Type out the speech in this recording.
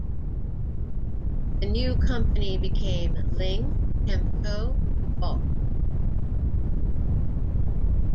The new company became Ling-Temco-Vought.